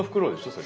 それ。